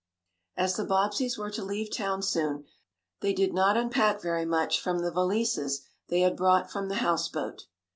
As the Bobbseys were to leave town soon, they did not unpack very much from the valises they had brought from the houseboat.